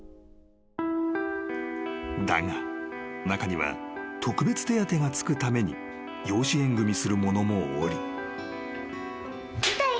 ［だが中には特別手当がつくために養子縁組する者もおり］